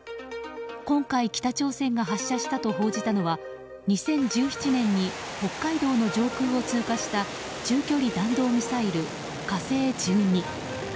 今回、北朝鮮が発射したと報じたのは２０１７年に北海道の上空を通過した中距離弾道ミサイル「火星１２」。